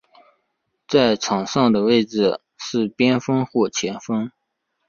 在场上的位置是边锋或前锋。